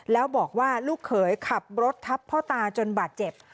แล้วบอกว่าลูกเขยขับรถทับพ่อตาจนบาดเจ็บ